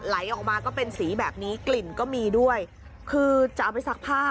ไหลออกมาก็เป็นสีแบบนี้กลิ่นก็มีด้วยคือจะเอาไปซักผ้า